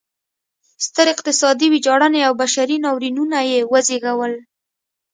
سترې اقتصادي ویجاړنې او بشري ناورینونه یې وزېږول.